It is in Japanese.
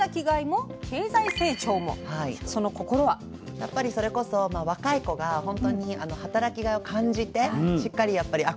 やっぱりそれこそ若い子がほんとに働きがいを感じてしっかりやっぱりあっ